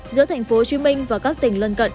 giữa tp hcm và các tỉnh lân cận